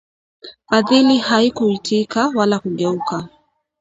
Fadhili hakuitika wala kugeuka